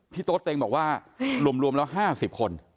โต๊เต็งบอกว่ารวมแล้ว๕๐คน